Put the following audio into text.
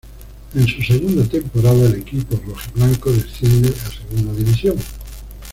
En su segunda temporada el equipo rojiblanco desciende a Segunda división.